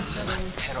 てろ